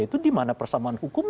itu dimana persamaan hukum